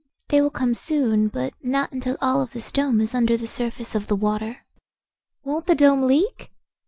"They will come soon, but not until all of this dome is under the surface of the water." "Won't the dome leak?"